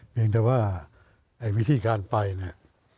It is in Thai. เพียงแต่ว่าไอ้วิธีการไปเนี่ย